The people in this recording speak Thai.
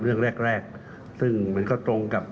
เรื่องแรกแรกซึ่งมันก็ตรงกับ